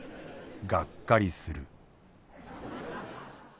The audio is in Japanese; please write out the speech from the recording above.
がっかりする」。